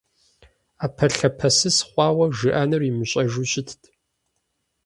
Ӏэпэлъапэсыс хъуарэ жиӏэнур имыщӏэжу щытт.